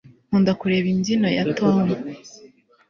nkunda kureba imbyino ya tom